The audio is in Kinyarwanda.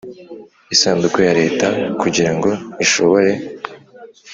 isanduku ya Leta kugira ngo ishobore